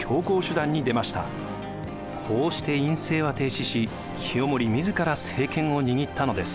こうして院政は停止し清盛自ら政権を握ったのです。